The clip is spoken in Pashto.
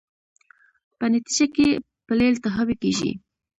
په نتېجه کې پلې التهابي کېږي.